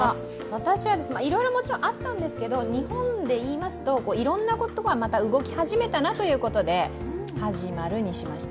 私はいろいろもちろんあったんですけど、日本でいいますと、いろんなことが動き始めたなということで「始まる」にしました。